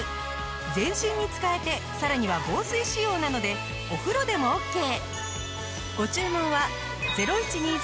全身に使えてさらには防水仕様なのでお風呂でもオッケー。